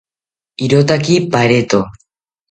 Irotaki pareto